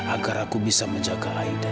agar aku bisa menjaga aida